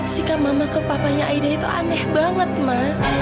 sikap mama ke papanya aida itu aneh banget ma